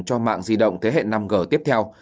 cho mạng di động thế hệ năm g tiếp theo